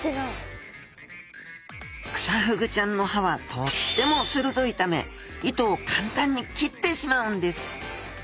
クサフグちゃんの歯はとっても鋭いため糸を簡単に切ってしまうんです。